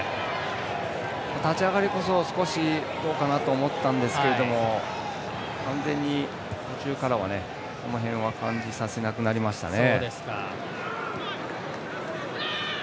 立ち上がりこそ少しどうかなと思ったんですけど完全に途中からは、その辺は感じさせなくなりましたね。